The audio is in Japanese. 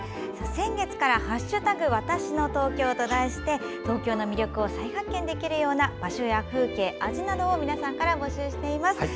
先月から「＃わたしの東京」と題して東京の魅力を再発見できるような場所や風景、味などを皆さんから募集しています。